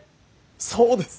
そうです！